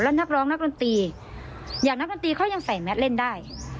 นักร้องนักดนตรีอย่างนักดนตรีเขายังใส่แมทเล่นได้